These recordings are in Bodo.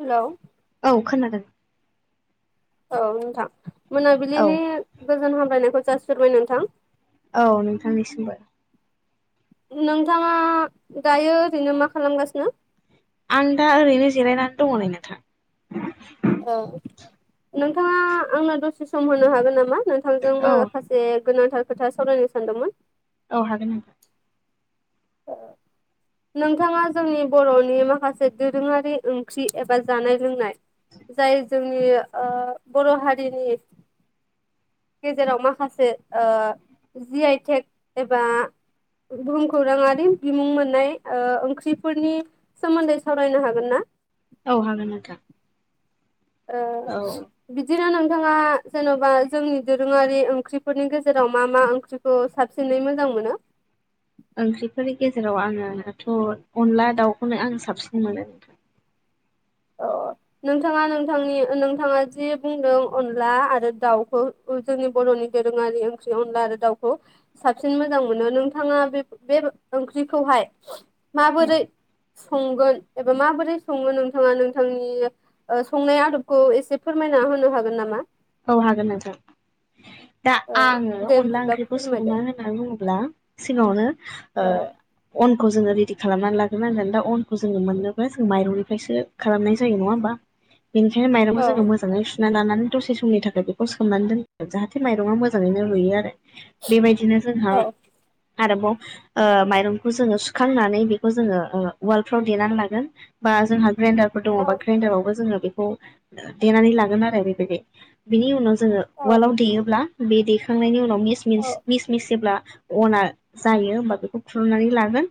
हेलौ औ खोनादों औ नोंथां औ मोनाबिलिनि गोजोन हामलायनायखौ जासिरबाय नोंथां। औ नोंथांनिसिमबो। नोंथाङा दायो ओरैनो मा खालामगासिनो? आं दा ओरैनो जिरायनानै दङ नै नोंथां। औ नोंथाङा आंनो दसे सम होनो हागोन नामा नोंथांजों औ माखास जे गोनांथार खोथा सावरायनो सानदोंमोन औ हागोन नोंथां अ नोंथाङा जोंनि बर'नि माखासे दोरोङारि ओंख्रि एबा जानाय लोंनाय जाय जोंनि ओ बर' हारिनि गेजेराव माखासे ओ जि आइ टेक एबा बुहुमखौरांङारि बिमुं मोननाय ओंख्रिफोरनि सोमोन्दै सावरायनो हागोन ना? औ हागोन नोंथां ओ औ बिदिनो नोंथांङा जेन'बा जोंनि दोरोंङारि ओंख्रिफोरनि गेजेराव मा मा ओंख्रि खौ साबसिनै मोजां मोनो? ओंख्रिफोरनि गेजेराव आङोथ' अनला दाउखौनो आं साबसिन मोनो अ नोंथांङा नोंथांनि नोंथांङा जि बुंदों अनला आरो दाउखौ जोंनि बर'नि दोरोंङारि ओंख्रि अनला आरो दाउखौ साबसिन मोजां मोनो नोंथांङा बे बे ओंख्रिखौहाय नोंथां माबोरै संगोन एबा माबोरै संङो नों नोंथांङा नोंथांनि ओ संनाय आदबखौ एसे फोरमायना होनो हागोन नामा? औ हागोन नोंथां दा ओ आंङो दे अनला बिदिब्ला ओंख्रिखौ संना फोरमायदो होननानै बुंङोब्ला सिगांङावनो ओ अन खौ जोंङो रेडि खालामनानै लागोन आरो दा अनखौ जोंङो मोननोबो जों माइरंनिफ्रायसो खालामनाय जायो नंङा होमबा [inaudible] बेनिखायनो माइरंखौ औ जोङो मोजाङै सुना लानानै दसे समनि थाखाय बेखौ सोमनानै दोन जाहाथे माइरंया मोजाङैनो रुयो आरो बेबायदिनो जोंहा औ आरोबाव ओ माइरंखौ जोङो सुखांनानै बेखौ जोङो उवालफ्राव देनानै लागोन बा जोंहा ग्रेइन्डारफोर दङ औ बा ग्रेइन्डारावबो जोङो बेखौ देनानै लागोन आरो बेबायदि बिनि उनाव जोङो औ उवालाव दैेयोब्ला बे दैखांनायनि उनाव मिस मिस औ मिस मिस जेब्ला अना जायो होमबा बेखौ खुलुमनानै लागोन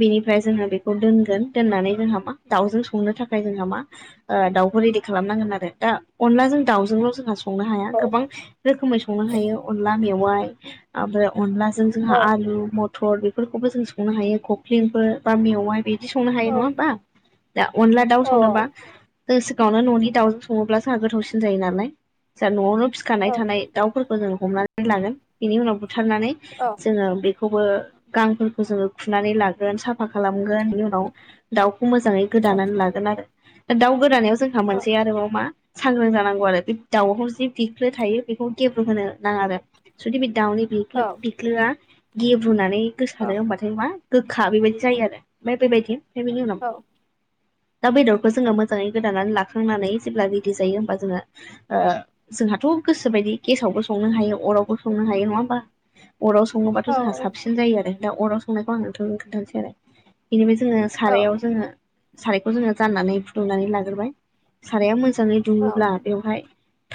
बेनिफ्राय जोंहा बेखौ दोनगोन दोननानै जोंहा मा दाउजों संनो थाखाय जोंहा मा दाउखौ रेडि खालामनांगोन आरो दा अनलाजों दाउजोंल' जोंहा संनो हाया गोबां रोखोमै संनो हायो अनला मेवाइ ओमफ्राय अनलाजों जोंहा आलु म थर बेफोरखौबो जों संनो हायो खख्लिंफोर बा मेवाइ बिदि संनो हायो नङा होमबा? दा अनला दाउ संनोबा सिगाङावनो न'नि दाउजों सङोब्ला जाहा गोथावसिन जायो नालाय जाहा न'आवनो फिखानाय थानाय दाउफोरखौ जों हमनानै लागोन बेनि उनाव बुथारनानै औ जोङो बेखौबो गांफोरखौ जोङो खुनानै लागोन साफा खालामगोन बिनि उनाव दाउखौ मोजाङै गोदानानै लागोन आरो दा दाउ गोदानायाव जोंहा मोनसे आरोबाव मा सांग्रां जानांगौ आरो बे दाउ जि बिख्लो थायो बेखौ गेब्रु होनो नाङा आरो जुदि बे दाउनि बिख्लो बिख्लोआ गेब्रुनानै गोसारो होनोमबाथाय मा गोखा बेबायदि जायो आरो ओमफाय बेबायदि बेनि उनाव दा बेदरखौ जोङो मोजाङै गोदानानै लाखांनानै जेब्ला रेडि जायो होमबा जोङो ओ जोंहाथ' गोसोबायदि गेसावबो संनो हायो अरावबो संनो हायो नङा होमबा अराव सङोबाथ' जोंहा साबसिन जायो आरो दा अराव संनायखौ आं नोंथांनो खोन्थानोसै आरो बेनिफ्राय जोङो सारायाव जोङो सारायखौ जोङो जाननानै फुदुंनानै लाग्रोबाय साराया मोजाङै दुङोब्ला बेवहाय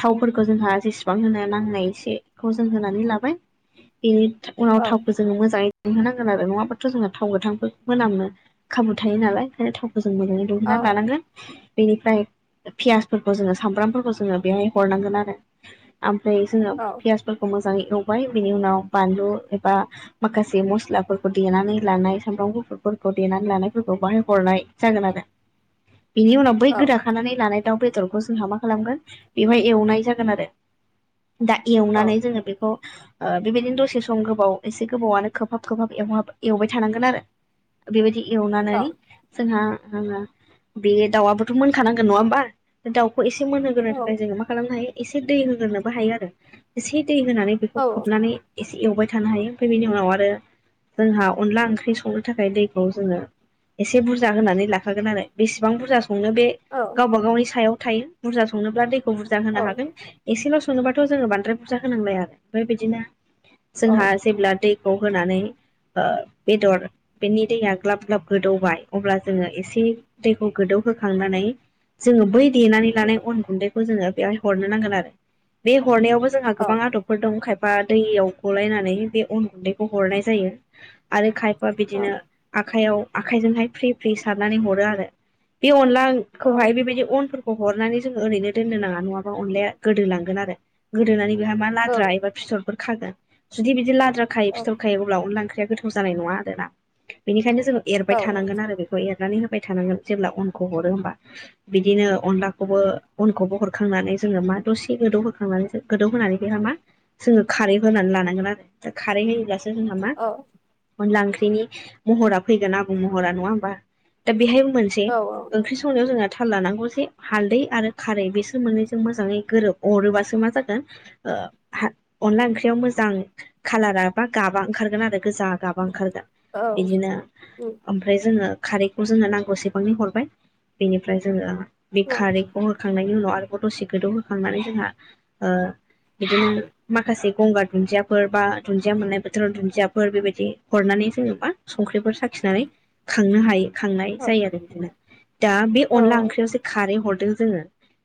थावफोरखौ जोंहा जेसेबां होनो नांनाय एसेखौ जों होनानै लाबाय बेनि उनाव थावखौ जोङो मोजाङै दुंहो नांगोन आरो नङाबाथ' जोङो थाव गोथां मोनामो खाबु थायो नालाय ओंखायनो थावखौ मोजाङै फुदुंनानै लानांगोन बेनिफ्राय पियासफोरखौ जोङो सामब्रामफोरखौ जोङो बेहाय हरनांगोन आरो ओमफ्राय जोङो पियासफोरखौ मोजाङै एवबाय बिनि उनाव बानलु एबा माखासे मस्लाफोरखौ देनानै लानाय सामब्राम गुफुरफोरखौ देनानै लानायफोरखौ बाहाय हरनाय जागोन आरो बिनि उनाव बै गोदाखानानै लानाय दाउ बेदरखौ जोंहा मा खालामगोन बेवहाय एवनाय जागोन आरो दा एवनानै जोङो बेखौ बेबायदिनो दसे सम गोबाव एसे गोबावनो खोबहाब खोबहाब एवहाब एवबाय थानांगोन आरो बेबायदि एवनानै जोंहा बे दाउआबोथ' मोनखानांगोन नङा होमबा बे दाउखौ एसे मोनहोगोन ओमफ्राय जोङो मा खालामनो हायो एसे दै होग्रोनोबो हायो आरो एसे दै होनानै बेखौ खोबनानै एसे एवबाय थानो हायो ओमफ्राय बेनि उनाव आरो जोंहा अनला ओंख्रि संनो थाखाय दैखौ जोङो एसे बुरजा होनानै लाखागोन आरो बेसेबां बुरजा संनो बे औ गावबा गावनि सायाव थायो बुरजा संनोब्ला दैखौ बुरजा होनो हागोन एसेल' सङोबाथ' जोङो बांद्राय बुरजा होनांलाया आरो ओमफ्राय बिदिनो जोंहा जेब्ला दै खौ होनानै बेदर बेनि दैया ग्लाब ग्लाब गोदौबाय अब्ला जोङो एसे दैखौ गोदौहोखांनानै जोङो बै देनानै लानाय अन गुन्दैखौ जोङो बेवहाय हरनो नांगोन आरो बे हरनायावबो जोंहा गोबां आदब फोर दं खायफा दैयाव गलायनानै बे अन गुन्दैखौ हरनाय जायो आरो खाय बा बिदिनो आखाइयाव आखाइजोंहाय फ्रि फ्रि सारनानै हरो आरो बे अनला खौहाय बेबायदि अनफोरखौ हरनानै जों ओरैनो दोननो नांङा नंङाबा अनलाया गोदोलांगोन आरो गोदोनानै बेहा मा लाद्रा एबा फिथर फोर खागोन जुदि बिदि लाद्रा खायो फिथर खायो अब्ला अनला ओख्रिया गोथाव जानाय नङा आरोना बेनिखायनो जोङो एरबाय थानांगोन आरो बे एरनानै होबाय थानांगोन जेब्ला अनखौ हरो होमबा बिदिनो अनलाखौबो जोंखौबो हरखांनानै जोंङो मा दसे गोदौ होखांनानै गोदौ होनानै बेहाय मा जोङो खारै होनानै लानांगोन आरो दा खारै होयोब्लासो जोंहा मा अनला ओंख्रिनि महरा फैगोन आबुं महरा नङा ओमबा दा बेहाय ओंख्रि संनायाव जोंहा थाल लानांगौ जे हालदै आरो खारै बेसोर मोननैजों मोजाङै गोरोब अरोबासो मा जागोन ओ हा अनला ओंख्रियाव मोजां खालारा बा गाबा ओंखारगोन आरो गोजा गाबा ओंखारगोन बिदिनो ओम फ्राय जोङो खारैखौ जोनो नांगौसेबां हरबाय बेनिफ्राय जोङो बे खारै होखांनायनि उनाव आरोबाव दसे गोदौहोखांनानै जोंहा ओ बिदिनो माखासे गंगार दुन्दियाफोर बा दुन्दिया मोननाय बोथोराव दुन्दियाफोर बेबायदि हरनानै जोङो मा संख्रिफोर साखिनानै खांनो हायो। खांनाय जायो आरो बिदिनो दा बे अनला ओंख्रियावसो खारै हरदों जोंङो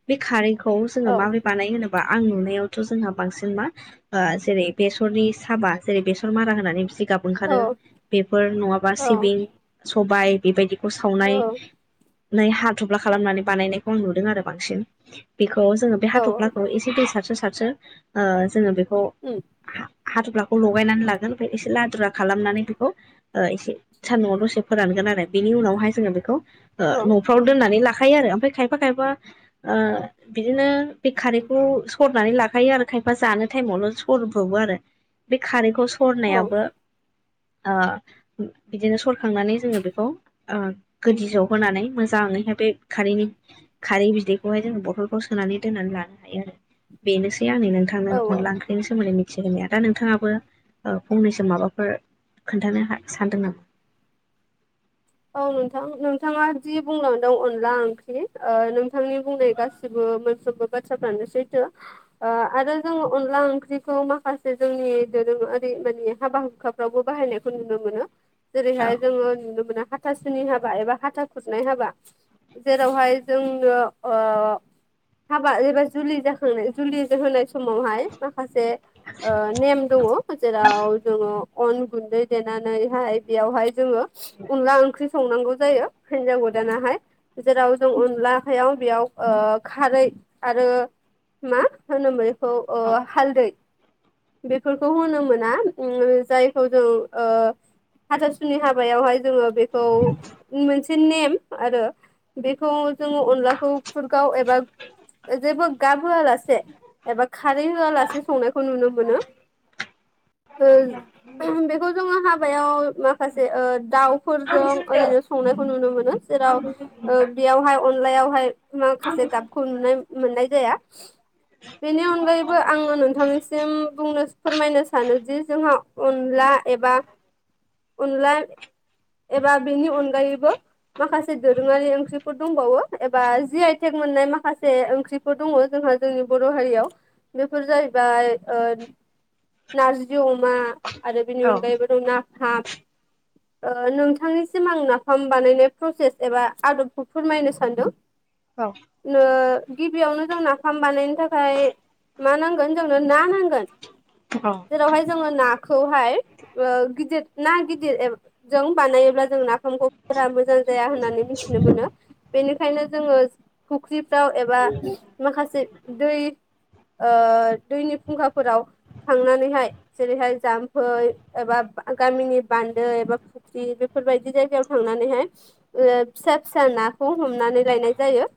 बे खारैखौ जोङो माबोरै बानायो होनोबा आं नुनायावथ' जोंहा बांसिन मा ओ जेरै बेसरनि साबा जेरै बेसर मादा होनानै जिगाब ओंखारो बेफोर नंङाबा सिबिं सबाय बेबायदि सावनाय नाय हाथफ्ला खालामनानै बानायनायखौ आं नु दों आरो बांसिन बेखौ जोङो बे हाथ'फ्लाखौ एसे दै सारसो सारसो जोङो बेखौ उम हा-हाथुफ्लाखौ लगायनानै लागोन ओमफाय एसे लादुरा खालामनानै बेखौ एसे सान्दुंआव दसे फोरानगोन आरो बेनि उनावहाय जोङो बेखौ ओ न'फ्राव दोननानै लाखायो आरो ओमफाय खायफा ओ बिदिनो बे खारैखौ सरनानै लाखायो आरो खायफा जानो टाइमावल' सरब्रबो आरो। बे खारैखौ सरनायाबो बिदिनो सरखांनानै जोङो बेखौ ओ गोदि जौ होनानै मोजाङैहाय बे खारैनि खारै बिदैखौहाय जों बथलखौ सोनानै दोननानै लानो हायो आरो बेनोसै आंनि नोंथांनो अनला ओं बेनि सोमोन्दै मिथिहोनाया दा नोंथाङाबो ओ फंनैसो माबाफोर खोन्थानो हा सानदों नामा? औ नोंथां नोंथाङा जि बुंलांदों अनला ओंख्रि ओ नोंथांनि बुंनाय गाससिबो मोनफ्रोमबो बाथ्राफ्रानो सैथो ओ आरो जोङो अनला ओंख्रिखौ माखासे जोंनि दोरोङारि माने हाबा हुखा फोरावबो बाहायनायखौ नुनो मोनो औ जेरैहाय जोङो नुनो मोनो हा हाथासुनि हाबा एबा हाथा खुरनाय हाबा जेरावहाय जोंनो ओ हाबा एबा जुलि जाखांनाय जुलि होनाय समावहाय माखासे ओ नेम दङ जेराव जोङो अन गुन्दै देनानैहाय बेयावहाय जोङो अनला ओंख्रि संनांगौ जायो हिनजाव गोदाना हाय जेराव जों अनला याव बेयाव खारै आरो मा होनो बेखौ ओ हालदै बेफोरखौ होनो मोना ओ जायखौ जों ओ हाथासुनि हाबायावहाय जोङो बेखौ उम मोनसे नेम आरो बेखौ जोङो अनलाखौ खुरगाव एबा जेबो गाब होआलासे एबा खारै होआलासे संनायखौ नुनो मोनो ओ बेखौ जोंङो हाबायाव माखासे दाउफोरजों ओरैनो संनायखौ नुनो मोनो जेराव ओ बेयावहाय अनलायावहाय माखासे गाबखौ नुनाय मोननाय जाया बेनि अनगायैबो आङो नोंथांनिसिम बुंनो फोरमायनो सानोदि जोंहा अनला एबा अनला एबा बिनि अनगायैबो माखासे दोरोङारि ओंख्रिफोर दंबावो एबा जि आइटेक मोननाय माखासे ओंख्रि फोर दङ जोंहा जोंनि बर' हारियाव बेफोर जाहैबाय ओ नारजिजो अमा आरो बेनि औ अनगायैबो दं नाफाम ओ नोंथांनिसिम आं नाफाम बानायनाय प्रसेस एबा आदबखौ फोरमायनो सानदों। औ गिबियावनो जों नाफाम बानायनो थाखाय मा नांगोन जोंनो ना नांगोन। औ जेरावहाय जोंङो नाखौहाय ओ गिदिर ना गिदिर एब जों बानायोब्ला जों नाखौ खौ बारा मोजां जाया होननानै मिथिनो मोनो। बेनिखायनो जोंङो फुख्रिफ्राव एबा माखासे दै ओ दैनि फुंखाफोराव थांनानैहाय जेरैहाय जाम्फै एबा गामिनि बान्दो एबा फ्रि बेफोरबायदि जायगायाव थांनानैहाय ओ फिसा फिसा नाखौ हमनानै लायनाय जायो।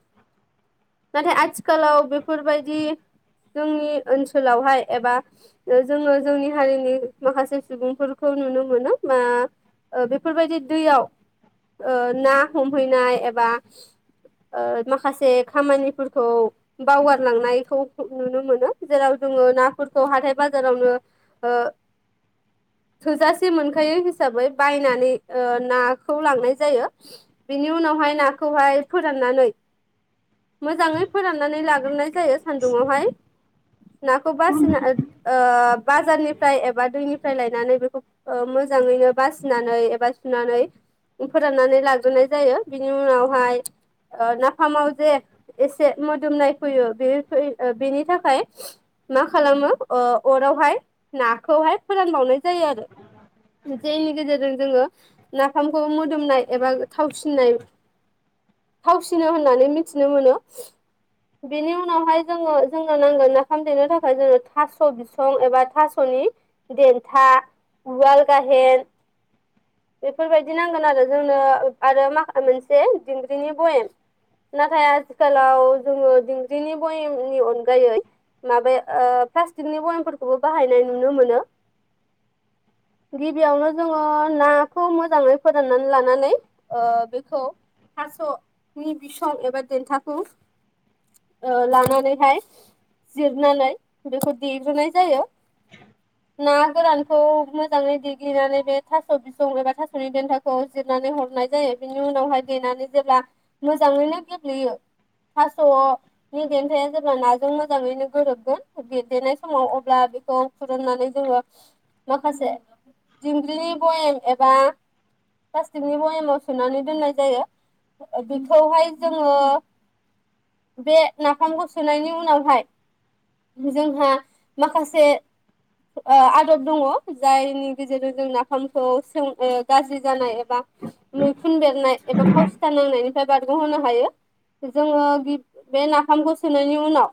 नाथाय आथिखालाव बेफोरबायदि जोंनि ओनसोलावहाय एबा ओ जोंङो जोंनि हारिनि माखासे सुबुंफोरखौ नुनो मोनो बा ओ बेफोरबायदि दैयाव ओ ना हमहैनाय एबा ओ माखासे खामानिफोरखौ बावगारलांनायखौ नुनो मोनो जेराव जोंङो ना थ हाथथाय बाजारावनो ओ थोजासे मोनखायो हिसाबै बायनानै ओ नाखौ लांनाय जायो। बिनि उनावहाय नाखौहाय फोराननानै मोजाङै फोराननानै लाग्रोनाय जायो सानदुंआव हाय नाखौबासिना ओ बाजारनि फ्राय एबा दैनिफ्राय लायनानै बेखौ ओ मोजाङैनो बासिनानै एबा सुनानै फोराननानै लाग्रोनाय जायो बिनि उनावहाय ओ नाफामाव जे एसे मोदोमनाय फैयो बे बेनि थाखाय मा खालामो अरावहाय नाखौहाय फोरानबावनाय जायो आरो जायनि गेजेरजों जोंङो नाफामखौ मोदोमनाय एबा थावसिननाय थावसिनो होननानै मिथिनो मोनो बिनि उनावहाय जोंङो जोंनो नांगोन ना फाम देनो थाखाय जोंङो थास' बिसं एबा थास'नि देन्था उवाल गाहेन बेफोरबायदि नांगोन आरो जोंनो आरो माखा मोनसे दिंग्रिनि बयेम नाथाय आथिखालाव जोङो दिंग्रिनि बयनि अनगायै माबाया ओ प्लास्टिकनि बयमफोरखौबो बाहायनाय नुनो मोनो। गिबियावनो जोंङो नाखौ मोजाङै फोदाननानै लानानै ओ बेखौ सस नि बिसं एबार देनथाखौ ओ लानानैहाय जिरनानै बेखौ देग्रोनाय जायो। ना गोरानखौ मोजांङै देग्लिनानै बे थास' बिसं एबा थास'नि देन्था खौ जिरनानै हरनाय जायो बिनि उनावहाय देनानै जेब्ला मोजाङैनो गेब्लेयो थास'नि देन्थाया जेब्ला नाजों मोजाङैनो गोरोबगोन देनाय समाव अब्ला बेखौ खुुरुननानै जोंङो माखासे दिंग्रिनि बयेम एबा प्लास्टिकनि बयेमाव सोनानै दोननाय जायो। ओ बेखौहाय जोंङो बे नाफामखौ सोनायनि उनावहाय जोंहा माखासे आदब दङ जायनि गेजेरजों जों नाफामखौ सों गाज्रि जानाय एबा मैखुन बेरनाय एबा फाव सिथा नांनायनि फ्राय बारग'होनो हायो जोङो बे नाफामखौ सोनायनि उनाव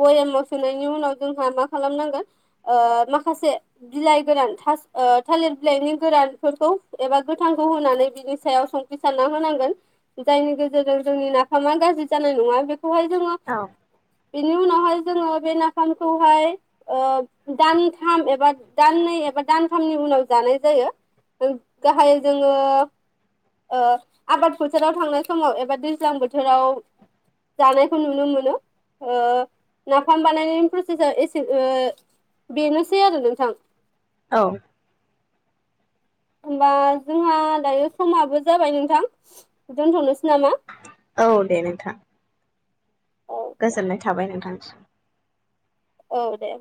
बयामाव सोनायनि उनाव जोंहा मा खालामनांगोन माखासे बिलाइ गोरान थास ओ थालिर बिलाइनि गोरानफोरखौ एबा गोथांखौ होनानै बिनि सायाव सं ख्रि सारना होनांगोन जायनि गेजेरजों जोंनि नाफामा गाज्रि जानाय नङा बेखौहाय जोङो औ बेनि उनावहाय जोङो बे नाफामखौहाय दानथाम एबा दाननै एबा दानथामनि उनाव जानाय जायो गाहायै जोङो आबाद फोथाराव थांनाय समाव एबा दैज्लां बोथोराव जानायखौ नुनो मोनो नाफाम बानायनायनि प्रसेसा एसे बेनोसै आरो नोंथां औ होमबा जोंहा दायो समाबो जाबाय नोंथां दोनथ'नोसै नामा औ दे नोंथां औ गोजोननाय थाबाय नोंथांसिम औ दे